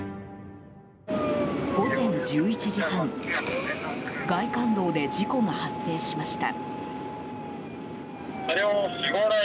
午前１１時半外環道で事故が発生しました。